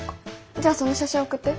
じゃその写真送って。